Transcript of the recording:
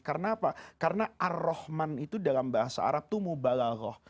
karena apa karena ar rohman itu dalam bahasa arab itu mubalalah